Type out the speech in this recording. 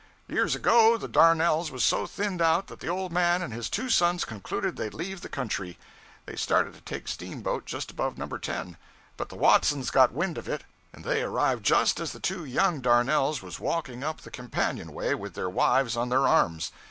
'Years ago, the Darnells was so thinned out that the old man and his two sons concluded they'd leave the country. They started to take steamboat just above No. 10; but the Watsons got wind of it; and they arrived just as the two young Darnells was walking up the companion way with their wives on their arms.